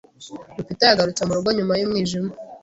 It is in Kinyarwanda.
Rupita yagarutse murugo nyuma y'umwijima.